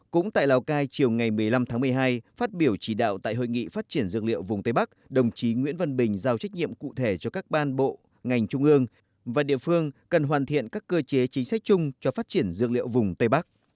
cũng tại lào cai chiều ngày một mươi năm tháng một mươi hai phát biểu chỉ đạo tại hội nghị phát triển dược liệu vùng tây bắc đồng chí nguyễn văn bình giao trách nhiệm cụ thể cho các ban bộ ngành trung ương và địa phương cần hoàn thiện các cơ chế chính sách chung cho phát triển dược liệu vùng tây bắc